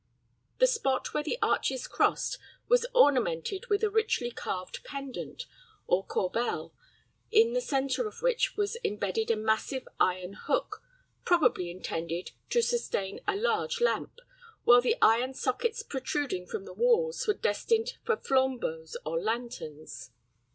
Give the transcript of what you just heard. The spot where the arches crossed was ornamented with a richly carved pendant, or corbel, in the centre of which was embedded a massive iron hook, probably intended to sustain a large lamp, while the iron sockets protruding from the walls were destined for flambeaux or lanterns.